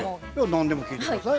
何でも聞いて下さい。